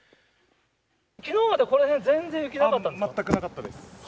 きのうまでこの辺、全然雪なかったんですか？